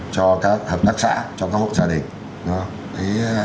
cho các hợp tác xã cho các hộ gia đình